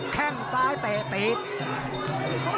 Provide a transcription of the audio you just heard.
แข้งซ้ายเตะเตะ